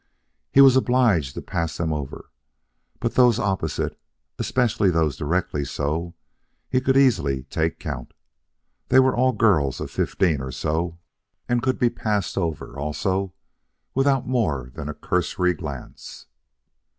He was obliged to pass them over. But of those opposite, especially those directly so, he could take easy count. They were all girls of fifteen or so, and could be passed over also without more than a cursory glance.